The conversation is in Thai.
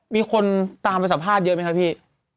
มีคนตามไปสัมภาษณ์เยอะไหมครับพี่